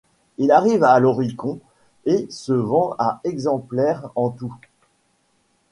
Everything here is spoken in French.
Il arrive à l'Oricon et se vend à exemplaires en tout.